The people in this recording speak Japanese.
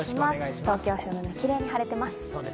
東京・汐留、キレイに晴れてます。